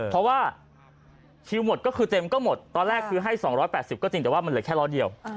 เพราะว่าคิวหมดก็คือเต็มก็หมดตอนแรกคือให้๒๘๐ก็จริงแต่ว่ามันเหลือแค่๑๐๐เดียว